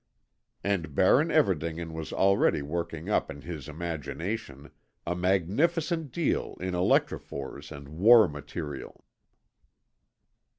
And Baron Everdingen was already working up in his imagination a magnificent deal in electrophores and war material.